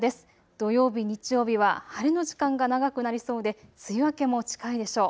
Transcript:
土曜日、日曜日は晴れの時間が長くなりそうで梅雨明けも近いでしょう。